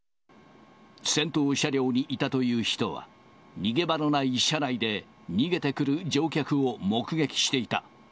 先頭車両にいたという人は、逃げ場のない車内で、逃げてくる乗客を目撃していた。